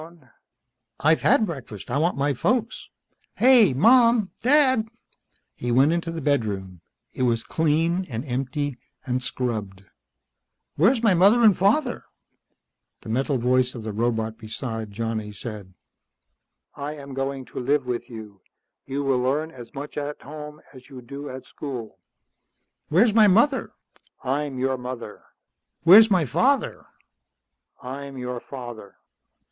"Would you like breakfast, Master Malone?" "I've had breakfast. I want my folks. Hey! Mom, Dad!" He went into the bedroom. It was clean and empty and scrubbed. "Where's my mother and father?" The metal voice of the robot beside Johnny said, "I am going to live with you. You will learn as much at home as you do at school." "Where's my mother?" "I'm your mother." "Where's my father?" "I'm your father."